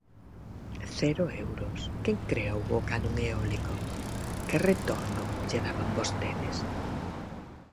Cero euros, ¿quen creou o canon eólico?, ¿que retorno lle daban vostedes?